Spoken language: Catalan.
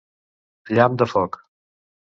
Llamp de foc!